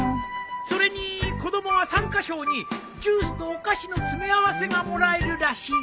それに子供は参加賞にジュースとお菓子の詰め合わせがもらえるらしい。